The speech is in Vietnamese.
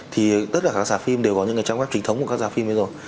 thì tất cả các giả phim đều có những trang web chính thống của các giả phim bây giờ